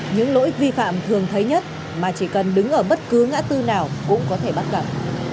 những lỗi vi phạm thường thấy nhất mà chỉ cần đứng ở bất cứ ngã tư nào cũng có thể bắt gặp